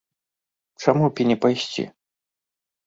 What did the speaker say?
Чаму б і не пайсці?